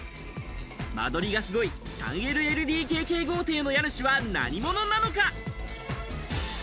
間取りがすごい、３ＬＬＤＫＫ豪邸の家主は何者なのか。